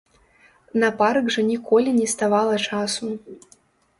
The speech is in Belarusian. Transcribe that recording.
На парк жа ніколі не ставала часу.